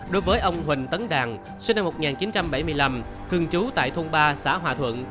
đối với ông huỳnh tấn đàn sinh năm một nghìn chín trăm bảy mươi năm thường trú tại thôn ba xã hòa thuận